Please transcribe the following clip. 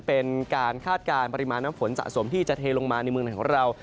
เป็นการคาดการณ์ปริมาณน้ำฝนสะสมที่จะเทลงมาในเมืองไทยของเรา